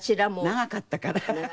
長かったから。